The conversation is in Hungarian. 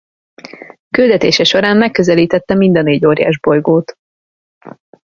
Küldetése során megközelítette mind a négy óriásbolygót.